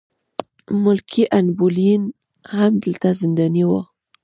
ملکې ان بولین هم دلته زنداني وه.